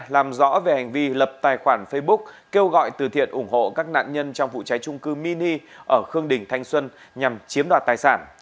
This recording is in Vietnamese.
làm rõ về hành vi lập tài khoản facebook kêu gọi từ thiện ủng hộ các nạn nhân trong vụ cháy trung cư mini ở khương đình thanh xuân nhằm chiếm đoạt tài sản